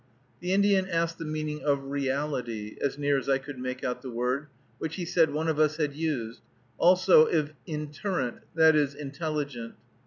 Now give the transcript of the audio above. The Indian asked the meaning of reality, as near as I could make out the word, which he said one of us had used; also of "interrent," that is, intelligent.